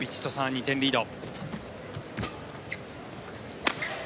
２点リード。